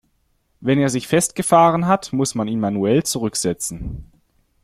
Wenn er sich festgefahren hat, muss man ihn manuell zurücksetzen.